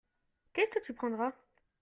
Qu'est-ce que tu prendras ?